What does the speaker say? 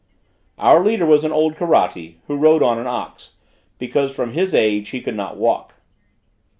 Our leader was an old Karatti, who rode on an ox, because from his age he could not walk.